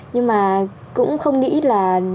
nhưng mà cũng không nghĩ là